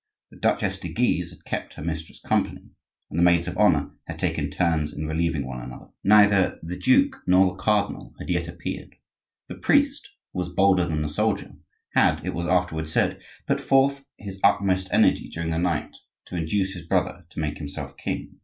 The Duchesse de Guise had kept her mistress company, and the maids of honor had taken turns in relieving one another. The young king slept. Neither the duke nor the cardinal had yet appeared. The priest, who was bolder than the soldier, had, it was afterward said, put forth his utmost energy during the night to induce his brother to make himself king.